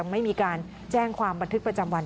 ไม่มีการแจ้งความบันทึกประจำวัน